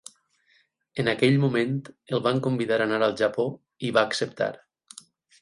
En aquell moment el van convidar a anar al Japó, i va acceptar.